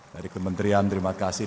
dari kementerian terima kasih